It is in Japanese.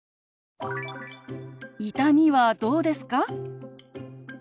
「痛みはどうですか？」。